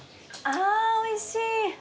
あぁおいしい。